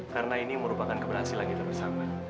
karena ini merupakan keberhasilan